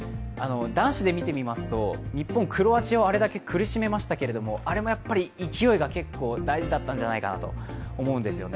男子で見てみますと日本、クロアチアをあれだけ苦しめましたけれども、あれもやっぱり勢いが結構大事だったんじゃないかなと思うんですよね。